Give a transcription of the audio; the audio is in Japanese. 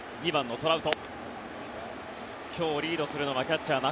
トラウト。